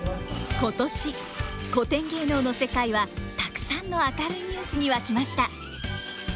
今年古典芸能の世界はたくさんの明るいニュースに沸きました！